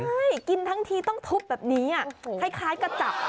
ใช่กินทั้งทีต้องทุบแบบนี้คล้ายกระจับ